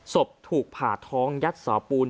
ศพถูกผ่าท้องยัดเสาปูน